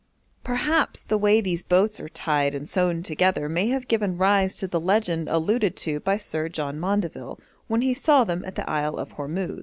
Perhaps the way these boats are tied and sewn together may have given rise to the legend alluded to by Sir John Maundeville when he saw them at the Isle of Hormuz.